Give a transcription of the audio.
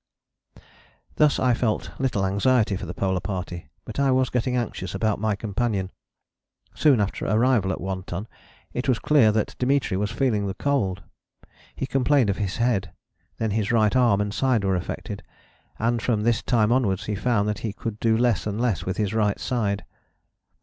Thus I felt little anxiety for the Polar Party. But I was getting anxious about my companion. Soon after arrival at One Ton it was clear that Dimitri was feeling the cold. He complained of his head; then his right arm and side were affected; and from this time onwards he found that he could do less and less with his right side.